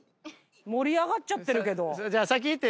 盛り上がっちゃってるけど。